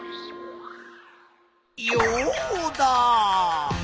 ヨウダ！